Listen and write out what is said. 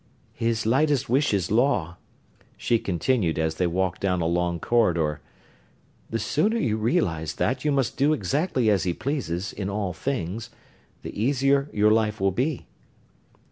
"His lightest wish is law," she continued as they walked down a long corridor. "The sooner you realize that you must do exactly as he pleases, in all things, the easier your life will be."